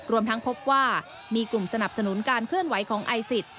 รวมทั้งพบว่ามีกลุ่มสนับสนุนการเคลื่อนไหวของไอซิส